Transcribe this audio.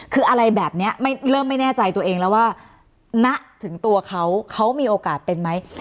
คืออะไรแบบนี้เริ่มไม่แน่ใจตัวเองแล้วว่าณถึงตัวเขาเขามีโอกาสเป็นไหม